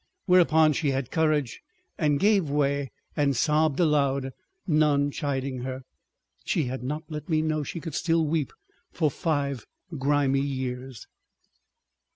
Whereupon she had courage and gave way and sobbed aloud, none chiding her. She had not let me know she could still weep for five grimy years.